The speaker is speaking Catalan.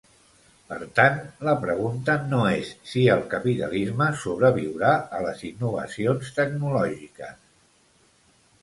Per tant, la pregunta no és si el capitalisme sobreviurà a les innovacions tecnològiques.